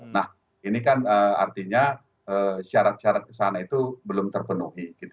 nah ini kan artinya syarat syarat ke sana itu belum terpenuhi